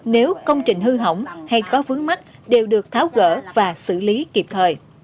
nếu công trình hư hỏng hay có vướng mắt đều được tháo gỡ và xử lý kịp thời